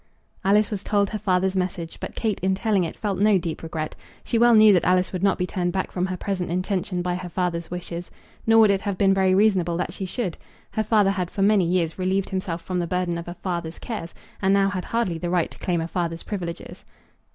Alice was told her father's message; but Kate in telling it felt no deep regret. She well knew that Alice would not be turned back from her present intention by her father's wishes. Nor would it have been very reasonable that she should. Her father had for many years relieved himself from the burden of a father's cares, and now had hardly the right to claim a father's privileges.